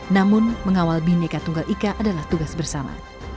namun mengawal bhinneka tunggal ika adalah tugas bersama